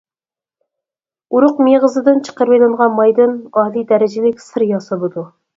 ئۇرۇق مېغىزىدىن چىقىرىۋېلىنغان مايدىن ئالىي دەرىجىلىك سىر ياسىلىدۇ.